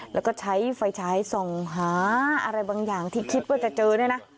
แล้วก็ใช้ไฟฉายส่องหาอะไรบางอย่างที่คิดว่าจะเจอเนี่ยนะ